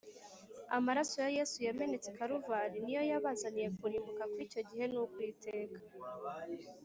amaraso ya yesu yamenetse i kaluvari niyo yabazaniye kurimbuka kw’icyo gihe n’ukw’iteka